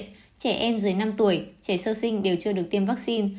trẻ em dưới năm tuổi trẻ sơ sinh đều chưa được tiêm vaccine